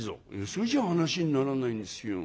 「それじゃあ話にならないんですよ。